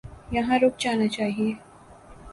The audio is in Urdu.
یہاں رک جانا چاہیے۔